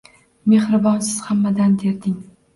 Mexribonsiz hammadan derding